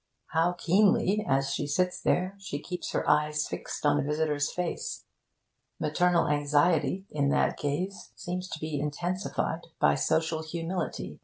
How keenly, as she sits there, she keeps her eyes fixed on the visitor's face! Maternal anxiety, in that gaze, seems to be intensified by social humility.